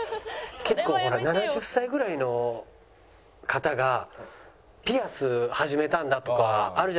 結構ほら７０歳ぐらいの方が「ピアス始めたんだ」とかあるじゃないですか。